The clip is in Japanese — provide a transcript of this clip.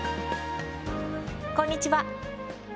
こんにちは。